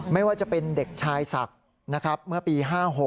ไม่ว่าจะเป็นเด็กชายศักดิ์นะครับเมื่อปี๕๖